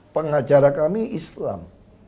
pengacara kami islam